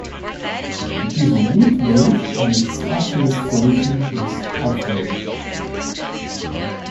It is a weak base and its aqueous solution is alkaline.